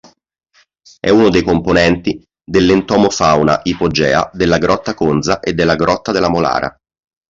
È uno dei componenti dell'entomofauna ipogea della Grotta Conza e della Grotta della Molara.